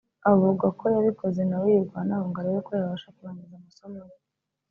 Avuga ko yabikoze nawe yirwanaho ngo arebe ko yabasha kurangiza amasomo ye